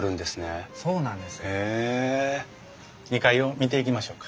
２階を見ていきましょうか。